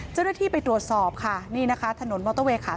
เจ้าหน้าที่ไปตรวจสอบค่ะนี่นะคะถนนมอเตอร์เวย์ค่ะ